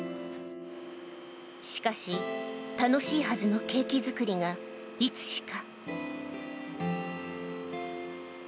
しかし、楽しいはずのケーキ作りがいつしか。